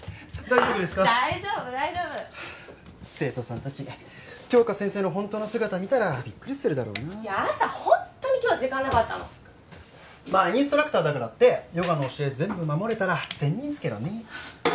大丈夫大丈夫生徒さん達杏花先生の本当の姿見たらビックリするだろうな朝ホントに今日は時間なかったのまあインストラクターだからってヨガの教え全部守れたら仙人っすけどね